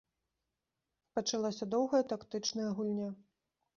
Пачалася доўгая тактычная гульня.